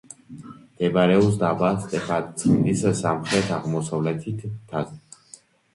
მდებარეობს დაბა სტეფანწმინდის სამხრეთ-აღმოსავლეთით, მთაზე.